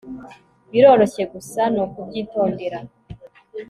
biroroshye gusa nukubyitondera